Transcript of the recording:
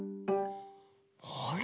あれ？